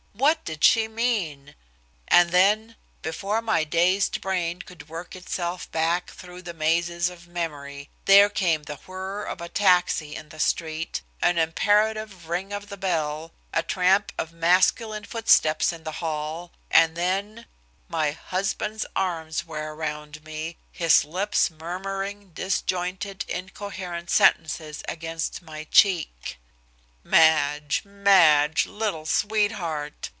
What did she mean? And then, before my dazed brain could work itself back through the mazes of memory, there came the whir of a taxi in the street, an imperative ring of the bell, a tramp of masculine footsteps in the hall, and then my husband's arms were around me, his lips murmuring disjointed, incoherent sentences against my cheek. "Madge! Madge! little sweetheart!